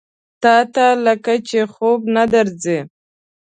تاته لکه چې خوب نه درځي؟